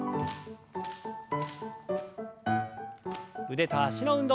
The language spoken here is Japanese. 腕と脚の運動。